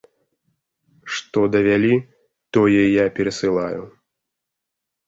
Што давялі, тое я перасылаю.